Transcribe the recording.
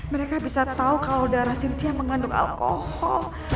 mereka bisa tahu kalau darah sintia mengandung alkohol